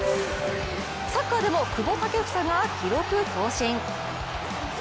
サッカーでも久保建英が記録更新。